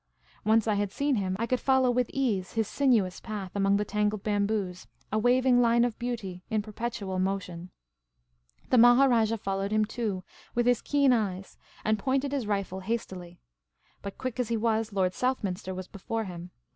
Once I had seen him, I could follow with ease his siiuious path among the tangled bamboos, a waving line of beauty in perpetual mo tion. The Maharajah followed him too, with his keen eyes, and pointed his rifle hastily. But, quick as he was. Lord Southminster was before him.